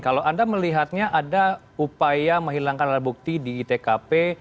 kalau anda melihatnya ada upaya menghilangkan bukti di itkp